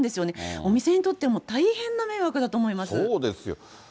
お店にとっても大変な迷惑だと思そうですよ。